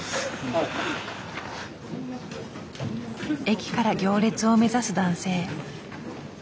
駅から行列を目指す男性。